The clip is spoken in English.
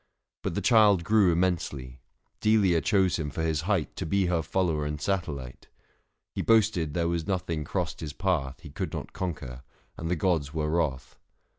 But the child grew 605 Immensely ; Delia chose him for his height To be her follower and satellite. He boasted there was nothing crossed his path He could not conquer, and the gods were wrath.